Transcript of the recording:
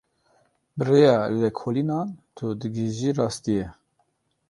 Bi rêya lêkolînan tu digihîjî rastiyê.